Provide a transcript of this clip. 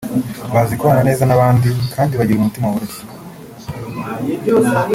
bazi kubaba neza n’abandi kandi bagira umutima woroshye